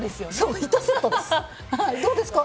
どうですか？